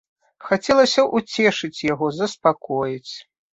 Хацелася ўцешыць яго, заспакоіць.